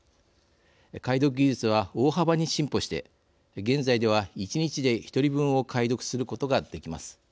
解読技術は大幅に進歩して現在では、１日で１人分を解読することができます。